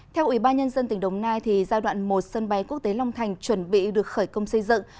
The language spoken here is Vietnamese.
theo ủy ban nhân dân tỉnh đồng nai giai đoạn một sân bay quốc tế long thành chuẩn bị được khởi công xây dựng